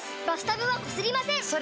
バスタブはこすりません！